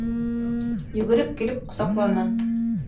Йүгереп килеп ҡосаҡланы.